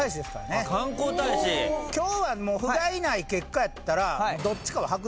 今日はもうふがいない結果やったら。